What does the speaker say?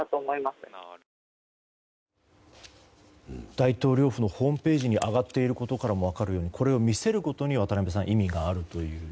大統領府のホームページに上がっていることからも分かるようにこれを見せることに渡辺さん、意味があるという。